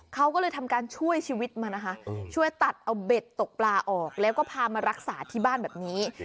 เขาก็เลยทำการช่วยชีวิตมานะคะช่วยตัดเอาเบ็ดตกปลาออกแล้วก็พามารักษาที่บ้านแบบนี้